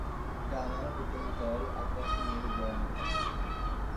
ডানার উপরিতল আকাশী নীল বর্নের।